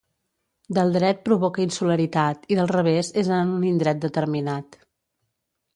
Del dret provoca insularitat i del revés és en un indret determinat.